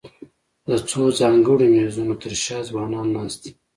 د څو ځانګړو مېزونو تر شا ځوانان ناست دي.